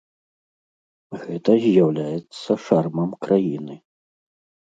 Гэта з'яўляецца шармам краіны.